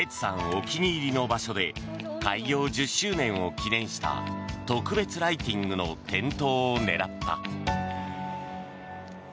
お気に入りの場所で開業１０周年を記念した特別ライティングの点灯を狙った。